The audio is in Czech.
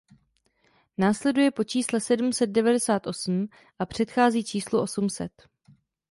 Následuje po čísle sedm set devadesát osm a předchází číslu osm set.